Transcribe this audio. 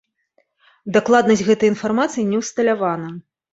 Дакладнасць гэтай інфармацыі не ўсталявана.